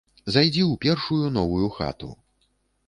Зайдзі ў першую новую хату.